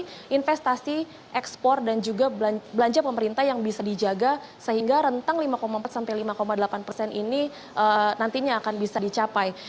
jadi investasi ekspor dan juga belanja pemerintah yang bisa dijaga sehingga rentang lima empat sampai lima delapan persen ini nantinya akan bisa dicapai